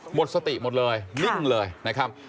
หมดสติหมดเลยนิ่งเลยนะครับ